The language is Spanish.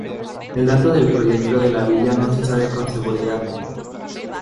El dato del proyecto de la villa no se sabe con seguridad.